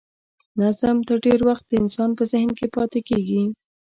نظم تر ډېر وخت د انسان په ذهن کې پاتې کیږي.